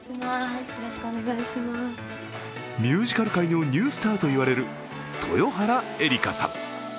ミュージカル界のニュースターといわれる豊原江理佳さん。